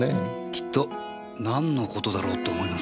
きっと何の事だろうと思いますよね。